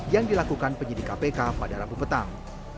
yang dilakukan penyidik kpk pada rabu petang